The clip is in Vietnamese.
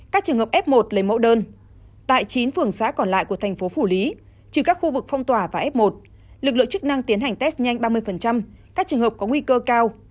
các trường hợp f một lấy mẫu đơn tại chín phường xã còn lại của thành phố phủ lý trừ các khu vực phong tỏa và f một lực lượng chức năng tiến hành test nhanh ba mươi các trường hợp có nguy cơ cao